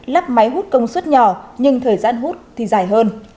lắp máy hút công suất nhỏ nhưng thời gian hút thì dài hơn